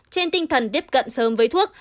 trên tinh thần tiếp cận sớm với thuốc